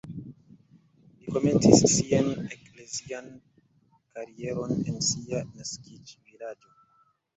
Li komencis sian eklezian karieron en sia naskiĝvilaĝo.